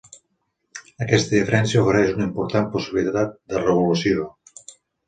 Aquesta diferència ofereix una important possibilitat de regulació.